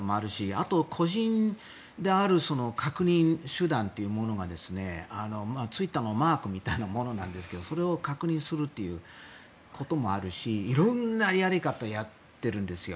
あと、個人である確認手段というものがツイッターのマークみたいなものなんですけどそれを確認するということもあるし色んなやり方をやってるんですよ。